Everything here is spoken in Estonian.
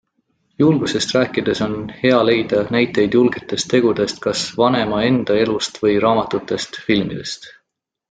Julgusest rääkides on hea leida näiteid julgetest tegudest kas vanema enda elust või raamatutest, filmidest.